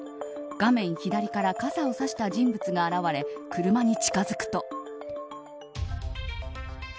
画面左から傘を差した人物が現れ車に近づくと。